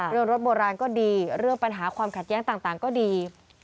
รถโบราณก็ดีเรื่องปัญหาความขัดแย้งต่างก็ดี